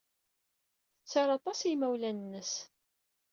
Tettaru aṭas i yimawlan-nnes.